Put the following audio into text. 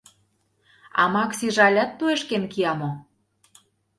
А Максиже алят туешкен кия мо?